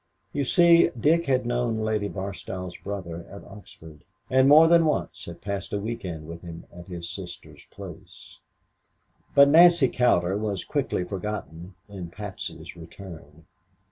You see, Dick had known Lady Barstow's brother at Oxford and more than once had passed a week end with him at his sister's place. But Nancy Cowder was quickly forgotten in Patsy's return.